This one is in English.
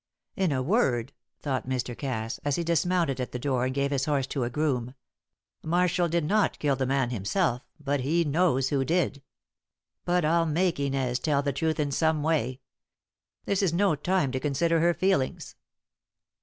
"In a word," thought Mr. Cass, as he dismounted at the door and gave his horse to a groom, "Marshall did not kill the man himself, but he knows who did. But I'll make Inez tell truth in some way. This is no time to consider her feelings."